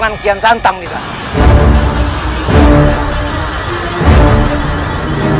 akan saya cuma mempengaruhi